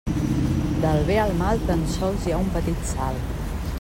Del bé al mal tan sols hi ha un petit salt.